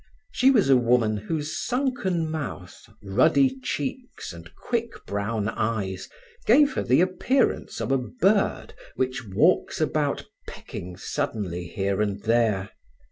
She was a woman whose sunken mouth, ruddy cheeks, and quick brown eyes gave her the appearance of a bird which walks about pecking suddenly here and there.